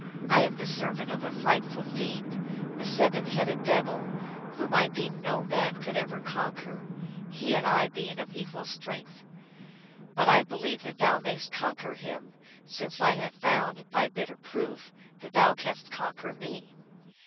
I am the servant of a frightful fiend, a seven headed devil, whom I deemed no man THE THREE STRONG MEN. 315 could ever conquer, he and I being of equal strength ; but I believe that thou mayst conquer him, since I have found, by bitter proof, that thou canst conquer me.